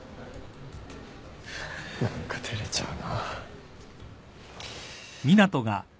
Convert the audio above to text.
何か照れちゃうな。